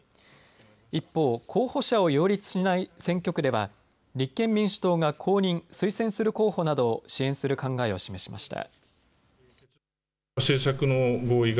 一方、候補者を擁立しない選挙区では立憲民主党が公認推薦する候補などを支援する考えを示しました。